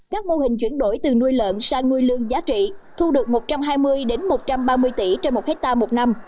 các mô hình chuyển đổi từ nuôi lợn sang nuôi lương giá trị thu được một trăm hai mươi một trăm ba mươi tỷ trên một hectare một năm